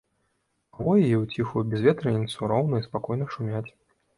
Хвоі і ў ціхую бязветраніцу роўна і спакойна шумяць.